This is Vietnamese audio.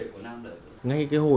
vấn đề của nam là